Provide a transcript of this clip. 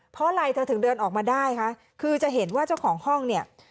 เพราะอะไรเธอถึงเดินออกมาได้คะคือจะเห็นว่าเจ้าของห้องเนี่ย